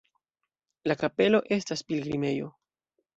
La kapelo estas pilgrimejo.